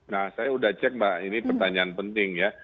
nah saya sudah cek mbak ini pertanyaan penting ya